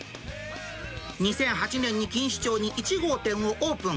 ２００８年に錦糸町に１号店をオープン。